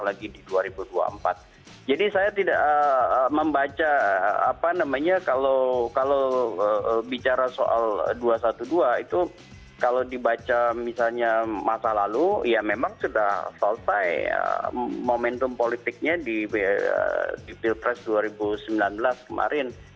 jadi saya tidak membaca kalau bicara soal dua ratus dua belas itu kalau dibaca misalnya masa lalu ya memang sudah selesai momentum politiknya di bill press dua ribu sembilan belas kemarin